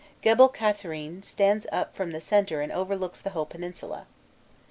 Gebel Katherin stands up from the centre and overlooks the whole peninsula.